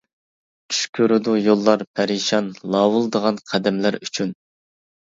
چۈش كۆرىدۇ يوللار پەرىشان، لاۋۇلدىغان قەدەملەر ئۈچۈن.